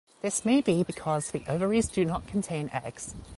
This may be because the ovaries do not contain eggs.